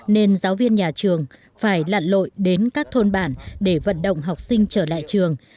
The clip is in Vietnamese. nên giáo viên nhà trường phải lặn lội đến các thôn bản để vận động học sinh trở lại trường